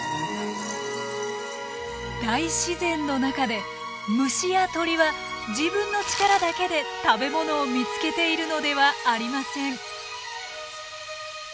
大自然の中で虫や鳥は自分の力だけで食べ物を見つけているのではありません。